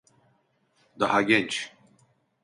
Daha genç.